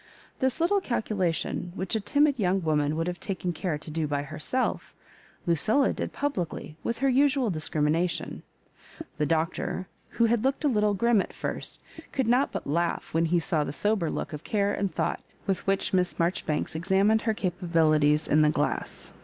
This little calculation, which a timid young wo man would have taken care to do by herself, Lucil la did publicly, with her usual discrimination. The Doctor, who had looked a little grim at first, coidd not but laugh when he saw the sober look of care and thought with which Miss Marjori banks examined her capabilities in the glass.